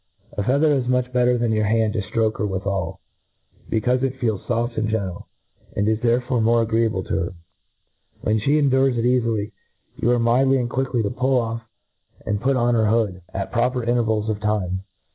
T A feather is much better than your hand to ftroke her withal ; bcr xaufe it feels foft and gentle, and is therefore more'agreeable to her. When flie endures it eali ly, you are mildly and quickly to pull off and put pn her hood at, proper intcrvjtls of time.